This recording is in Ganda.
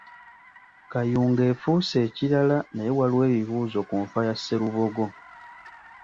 Kayunga efuuse ekirala naye waliwo ebibuuzo ku nfa ya Sserubogo.